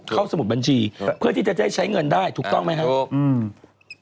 สมุดบัญชีเพื่อที่จะได้ใช้เงินได้ถูกต้องไหมครับ